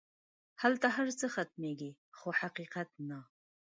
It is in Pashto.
هلته هر څه ختمېږي خو حقیقت نه.